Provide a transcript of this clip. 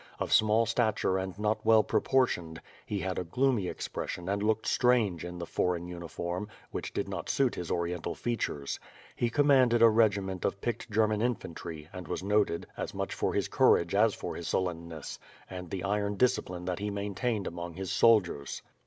Of small stature and not well proportioned, he had a gloomy expression and looked strange in the foreign uniform, which did not suit his Oriental features. He commanded a regiment of picked German infantry and was noted, as much for his courage as for his sullenness, and the iron discipline that he maintained among his soldiers.